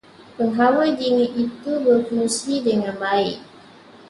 Penghawa dingin itu berfungsi dengan baik.